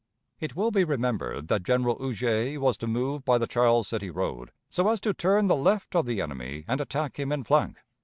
It will be remembered that General Huger was to move by the Charles City road, so as to turn the left of the enemy and attack him in flank.